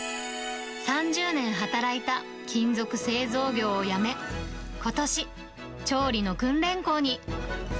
３０年働いた金属製造業を辞め、ことし、調理の訓練校に。